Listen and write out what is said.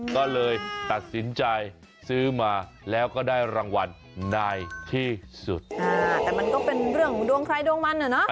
ก็เลยตัดสินใจซื้อมาแล้วก็ได้รางวัลในที่สุดแต่มันก็เป็นเรื่องของดวงใครดวงมันน่ะเนอะ